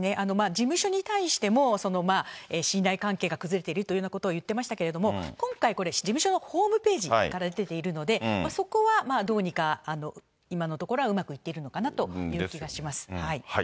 事務所に対しても、信頼関係が崩れてるというようなことを言っていましたけれども、今回これ、事務所のホームページから出ているので、そこはどうにか、今のところはうまくいっているのかなという気がします。